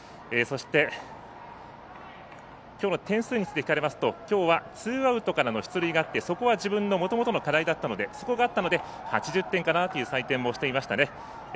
そして、きょうの点数について聞かれますときょうはツーアウトからの点があってそこは自分のもともとの課題だったのでそこは８０点かなという採点をしていました。